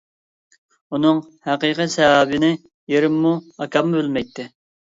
ئۇنىڭ ھەقىقىي سەۋەبىنى ئېرىممۇ، ئاكاممۇ بىلمەيتتى.